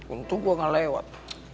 untung gua gak lewat